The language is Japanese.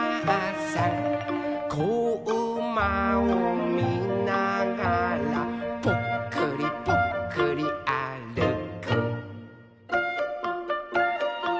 「こうまをみながらぽっくりぽっくりあるく」